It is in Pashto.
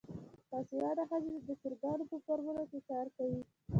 باسواده ښځې د چرګانو په فارمونو کې کار کوي.